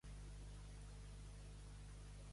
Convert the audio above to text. Simater i fill de frare!